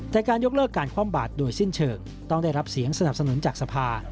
แต่การยกเลิกการคว่ำบาดโดยสิ้นเชิงต้องได้รับเสียงสนับสนุนจากสภา